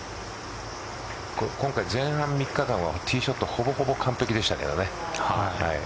今回、前半３日間はティーショットほぼほぼ完璧でしたよね。